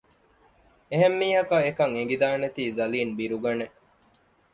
އެހެންމީހަކަށް އެކަން އެނގިދާނެތީ ނަޒީލް ބިރުގަނެ